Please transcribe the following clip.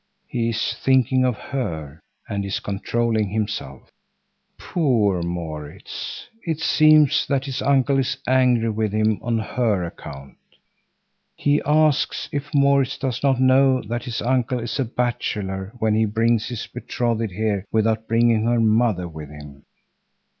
He is thinking of her, and is controlling himself. Poor Maurits! it seems that his uncle is angry with him on her account. He asks if Maurits does not know that his uncle is a bachelor when he brings his betrothed here without bringing her mother with him.